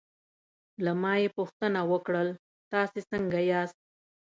له ما یې پوښتنه وکړل: تاسې څنګه یاست؟